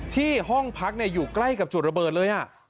ห้องพักอยู่ใกล้กับจุดระเบิดเลย